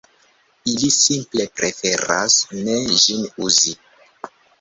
Ili simple preferas ne ĝin uzi.